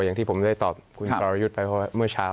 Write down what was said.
อย่างที่ผมได้ตอบคุณฟรรยุทธ์ไปเมื่อเช้า